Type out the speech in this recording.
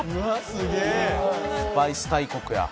すげえ」「スパイス大国や」